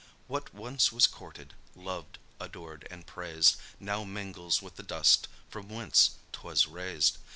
What once was courted, lov'd, adored, and prais'd, Now mingles with the dust from whence 'twas raised.